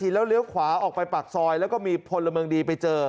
แล้วเลี้ยวขวาออกไปปากซอยแล้วก็มีพลเมืองดีไปเจอ